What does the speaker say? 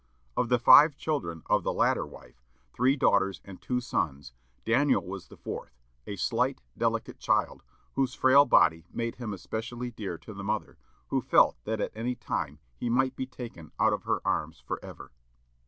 Of the five children of the latter wife, three daughters and two sons, Daniel was the fourth, a slight, delicate child, whose frail body made him especially dear to the mother, who felt that at any time he might be taken out of her arms forever.